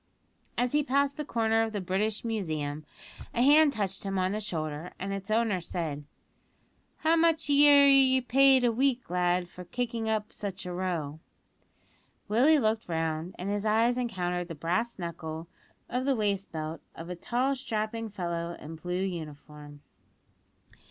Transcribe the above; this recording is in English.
As he passed the corner of the British Museum a hand touched him on the shoulder, and its owner said: "How much are ye paid a week, lad, for kicking up such a row?" Willie looked round, and his eyes encountered the brass buckle of the waist belt of a tall, strapping fellow in a blue uniform.